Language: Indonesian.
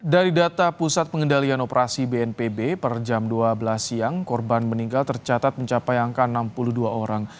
dari data pusat pengendalian operasi bnpb per jam dua belas siang korban meninggal tercatat mencapai angka enam puluh dua orang